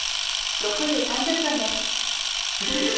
６時３０分です。